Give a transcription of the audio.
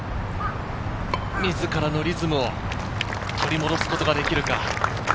自らのリズムを取り戻すことができるか。